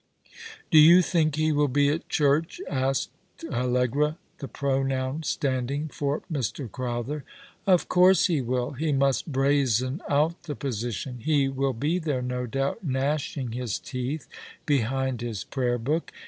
" Do you think he will be at church ?'' asked Allegra, the pronoun standing for Mr. Crowther. " Of course he will. He must brazen out the position. He will be there, no doubt, gnashing his teeth behind his prayer book.